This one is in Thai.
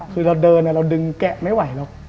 คือเราเดินเราดึงแกะไม่ไหวหรอก